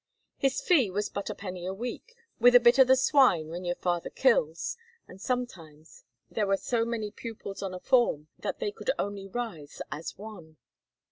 His fee was but a penny a week, "with a bit o' the swine when your father kills," and sometimes there were so many pupils on a form that they could only rise as one.